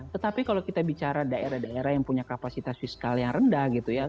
tetapi kalau kita bicara daerah daerah yang punya kapasitas fiskal yang rendah gitu ya